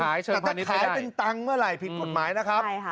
แต่ถ้าขายเป็นตังค์เมื่อไหร่ผิดกฎหมายนะครับ